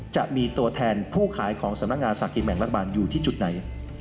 จะมีตัวแทนผู้ขายของสำนักงานสลากกินแบ่งรัฐบาลอยู่ที่จุดไหน